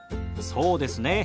そうですねえ。